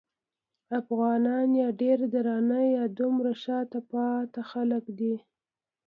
افغانان یا ډېر درانه یا دومره شاته پاتې خلک دي.